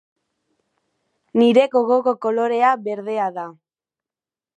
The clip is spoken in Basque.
Nire gogoko kolorea berdea da.